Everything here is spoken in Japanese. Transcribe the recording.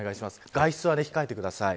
外出を控えてください。